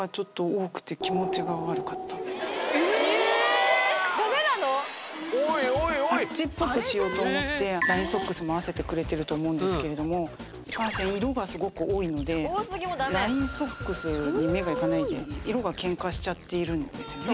えぇ⁉うわ「ＦＵＤＧＥ」っぽくしようと思ってラインソックスも合わせてくれてると思うんですけれどもいかんせん色がスゴく多いのでラインソックスに目が行かないで色がけんかしちゃっているんですよね